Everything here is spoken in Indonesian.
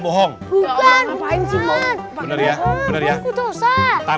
bener ya bener ya